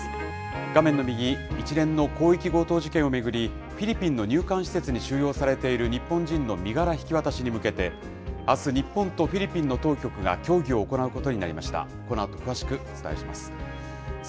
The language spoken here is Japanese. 画面の右、一連の広域強盗事件を巡り、フィリピンの入管施設に収容されている日本人の身柄引き渡しに向けて、あす、日本とフィリピンの当局が協議を行うことになりました。